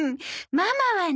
ママはね。